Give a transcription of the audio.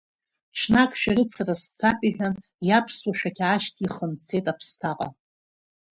Ҽнак шәарыцара сцап иҳәан, иаԥсуа шәақь аашьҭихын дцеит аԥсҭаҟа.